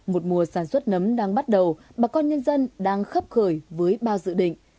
một mùa sản xuất nấm đang bắt đầu bà con nhân dân đang khấp khởi với bao dự định